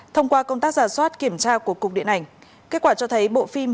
thông qua công tác giả soát kiểm tra của cục điện ảnh kết quả cho thấy bộ phim